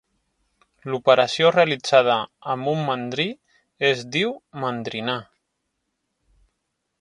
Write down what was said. L'operació realitzada amb un mandrí, es diu mandrinar.